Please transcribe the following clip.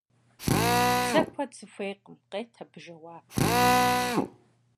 - Сэ куэд сыхуейкъым, - къет абы жэуап.